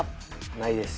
ないです。